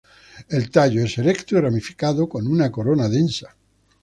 El tallo es erecto y ramificado, con una corona densa.